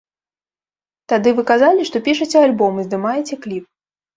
Тады вы казалі, што пішаце альбом і здымаеце кліп.